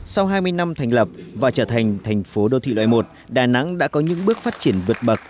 sau hai mươi năm thành lập và trở thành thành phố đô thị loại một đà nẵng đã có những bước phát triển vượt bậc